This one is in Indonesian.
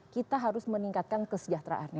kita harus meningkatkan kesejahteraan